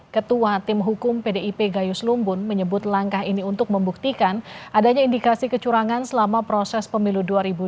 ketua tim hukum pdip gayus lumbun menyebut langkah ini untuk membuktikan adanya indikasi kecurangan selama proses pemilu dua ribu dua puluh